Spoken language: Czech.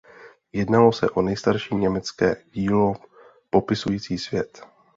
Jednalo se o nejstarší německé dílo popisující svět.